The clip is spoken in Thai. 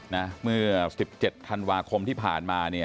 นะเมื่อสิบเจ็ดธันวาคมที่ผ่านมาเนี่ย